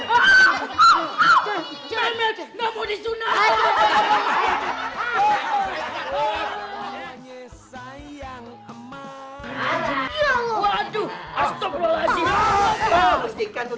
pokoknya tapi tetap apaan kalau nggak mau